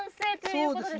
そうですね。